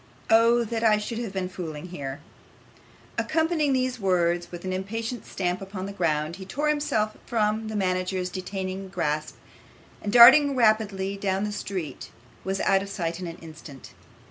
Oh! that I should have been fooling here!' Accompanying these words with an impatient stamp upon the ground, he tore himself from the manager's detaining grasp, and darting rapidly down the street was out of sight in an instant.